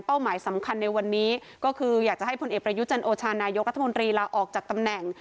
หมายสำคัญในวันนี้ก็คืออยากจะให้ผลเอกประยุจันโอชานายกรัฐมนตรีลาออกจากตำแหน่ง